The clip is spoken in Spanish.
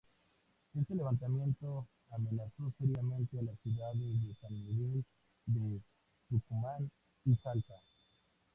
Este levantamiento amenazó seriamente a las ciudades de San Miguel de Tucumán y Salta.